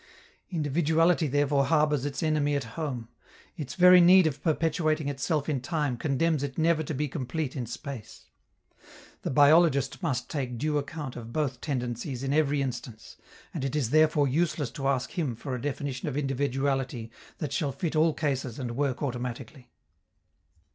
Individuality therefore harbors its enemy at home. Its very need of perpetuating itself in time condemns it never to be complete in space. The biologist must take due account of both tendencies in every instance, and it is therefore useless to ask him for a definition of individuality that shall fit all cases and work automatically.